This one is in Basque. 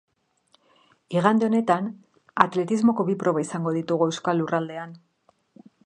Igande honetan atletismoko bi proba izango ditugu euskal lurraldean.